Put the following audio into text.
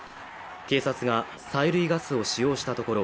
警察が催涙ガスを使用したところ